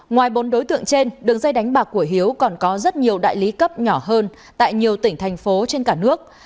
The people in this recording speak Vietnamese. ngoài bốn đối tượng trên đường dây đánh bạc của hiếu còn có rất nhiều đại lý cấp nhỏ hơn tại nhiều tỉnh thành phố trên cả nước